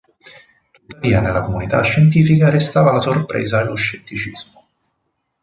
Tuttavia nella comunità scientifica restava la sorpresa e lo scetticismo.